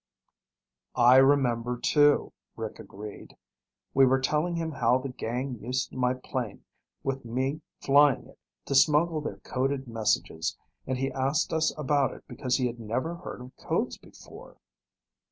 "I remember, too," Rick agreed. "We were telling him how the gang used my plane, with me flying it, to smuggle their coded messages, and he asked us about it because he had never heard of codes before!"